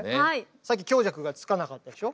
さっき強弱がつかなかったでしょ。